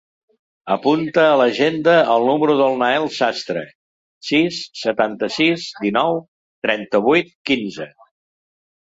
Apunta a l'agenda el número del Nael Sastre: sis, setanta-sis, dinou, trenta-vuit, quinze.